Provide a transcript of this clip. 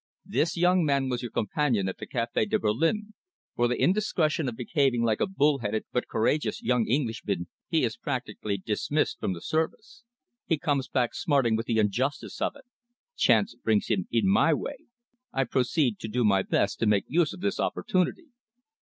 This young man was your companion at the Café de Berlin. For the indiscretion of behaving like a bull headed but courageous young Englishman, he is practically dismissed from the Service. He comes back smarting with the injustice of it. Chance brings him in my way. I proceed to do my best to make use of this opportunity."